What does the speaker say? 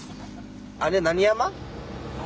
あれ何山？